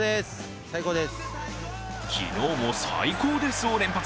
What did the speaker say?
昨日も「最高です」を連発。